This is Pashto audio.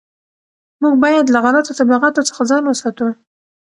موږ باید له غلطو تبلیغاتو څخه ځان وساتو.